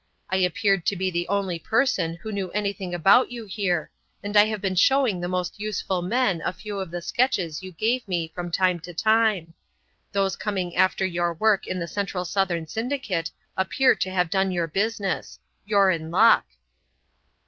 I appeared to be the only person who knew anything about you here, and I have been showing the most useful men a few of the sketches you gave me from time to time. Those coming after your work on the Central Southern Syndicate appear to have done your business. You're in luck."